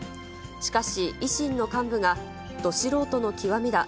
しかし、維新の幹部が、ど素人の極みだ。